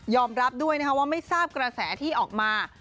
รับด้วยว่าไม่ทราบกระแสที่ออกมา